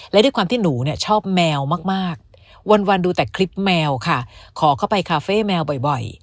และด้วยความที่หนูเนี่ยชอบแมวมากวันดูแต่คลิปแมวค่ะขอเข้าไปคาเฟ่แมวบ่อย